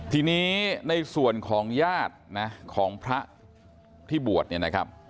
ทีนี้ในส่วนของญาตินะของพระที่บวชเนี่ยนะครับ